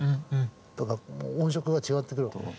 だから音色が違ってくると思う。